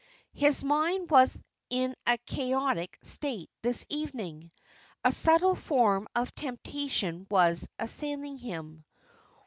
His mind was in a chaotic state this evening. A subtle form of temptation was assailing him.